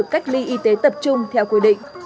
cách ly y tế tập trung theo quy định